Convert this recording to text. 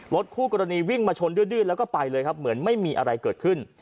คู่กรณีวิ่งมาชนดื้อแล้วก็ไปเลยครับเหมือนไม่มีอะไรเกิดขึ้น